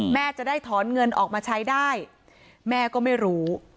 แม่จะได้ถอนเงินออกมาใช้ได้แม่ก็ไม่รู้